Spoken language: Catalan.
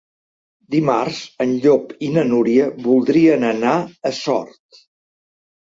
Dimarts en Llop i na Núria voldrien anar a Sort.